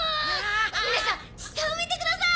皆さん下を見てください！